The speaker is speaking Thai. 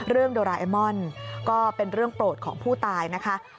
โดราเอมอนก็เป็นเรื่องโปรดของผู้ตายนะคะ